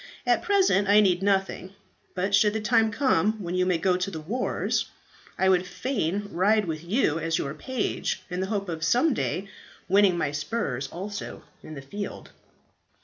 "At present I need nothing, but should the time come when you may go to the wars, I would fain ride with you as your page, in the hope of some day winning my spurs also in the field."